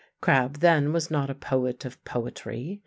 Crabbe, then, was not a poet of poetry.